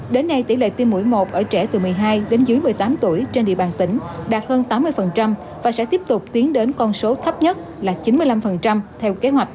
đến nay tỷ lệ tiêm mũi một ở trẻ từ một mươi hai đến dưới một mươi tám tuổi trên địa bàn tỉnh đạt hơn tám mươi và sẽ tiếp tục tiến đến con số thấp nhất là chín mươi năm theo kế hoạch